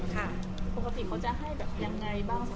ปกติเขาจะให้แบบยังไงบ้าง